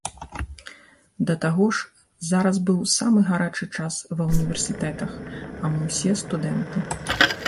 Да таго ж, зараз быў самы гарачы час ва ўніверсітэтах, а мы ўсе студэнты.